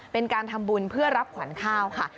เป็นการทำบุญเพื่อรับขวัญข้าวค่ะ